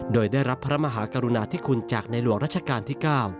โดยได้รับพระมหากรุณาธิคุณจากในหลวงรัชกาลที่๙